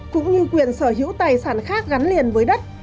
cũng như quyền sở hữu tài sản khác gắn liền với đất